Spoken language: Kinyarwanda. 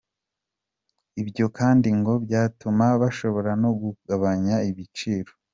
Ibyo kandi ngo byatuma bashobora no kugabanya ibiciro.